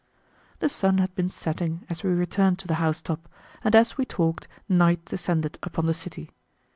The sun had been setting as we returned to the house top, and as we talked night descended upon the city.